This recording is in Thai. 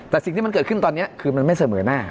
แต่สิ่งที่มันเกิดขึ้นตอนนี้คือมันไม่เสมอหน้า